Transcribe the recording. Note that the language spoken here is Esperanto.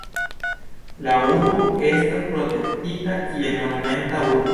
La urbo estas protektita kiel Monumenta Urbo.